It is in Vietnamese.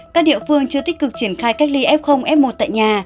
các địa phương chưa tích cực triển khai cách ly f f một tại nhà